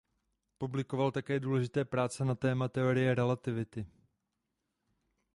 Publikoval také důležité práce na téma teorie relativity.